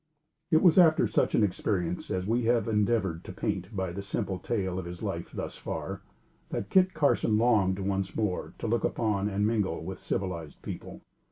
It was after such an experience as we have endeavored to paint by the simple tale of his life thus far, that Kit Carson longed, once more, to look upon and mingle with civilized people.